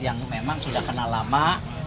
yang memang sudah kenal lama